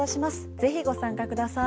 ぜひご参加ください。